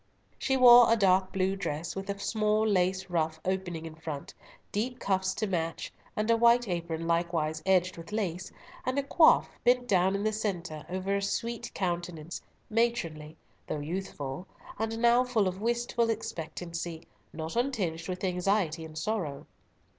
She wore a dark blue dress, with a small lace ruff opening in front, deep cuffs to match, and a white apron likewise edged with lace, and a coif, bent down in the centre, over a sweet countenance, matronly, though youthful, and now full of wistful expectancy; not untinged with anxiety and sorrow.